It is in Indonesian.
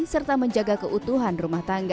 serta menjaga keutuhan rumah tangga